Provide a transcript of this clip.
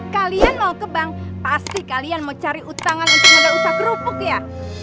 kalian mau ke bank pasti kalian mau cari utangan untuk anda usak kerupuk ya